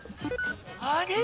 あれ？